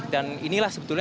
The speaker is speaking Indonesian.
dan inilah sebetulnya